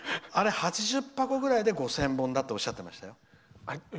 あれ８０箱ぐらいで５０００本だっておっしゃってましたよ。